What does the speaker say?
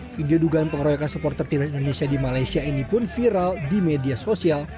video dugaan pengoroyokan supporter tni di malaysia ini pun viral di media sosial